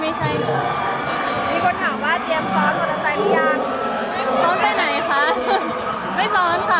มีคนถามว่าเดี๋ยวซ้อนมอเตอร์ไซน์หรือยัง